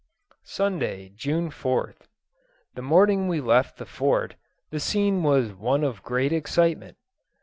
Sunday, June 4th. The morning we left the Fort the scene was one of great excitement.